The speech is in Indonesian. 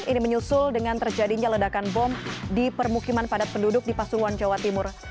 ini menyusul dengan terjadinya ledakan bom di permukiman padat penduduk di pasuruan jawa timur